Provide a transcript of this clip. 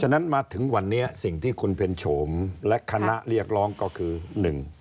นั้นมาถึงวันนี้สิ่งที่คุณเพ็ญโฉมและคณะเรียกร้องก็คือหนึ่ง